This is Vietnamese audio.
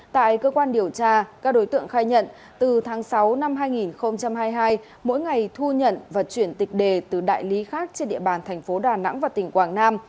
tại cơ quan điều tra các đối tượng khai nhận từ tháng sáu năm hai nghìn hai mươi hai mỗi ngày thu nhận và chuyển tịch đề từ đại lý khác trên địa bàn thành phố đà nẵng và tỉnh quảng nam